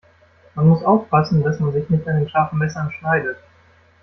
Man muss aufpassen, dass man sich nicht an den scharfen Messern schneidet.